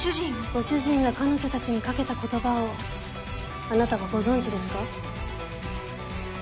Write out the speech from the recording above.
ご主人が彼女たちにかけた言葉をあなたはご存じですか？